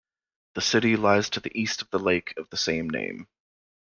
The city lies to the east of the lake of the same name.